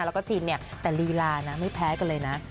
แล้วก็จีนเนี่ยแต่ลีลานะไม่แพ้กันเลยนะ